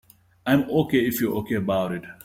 I'm OK if you're OK about it.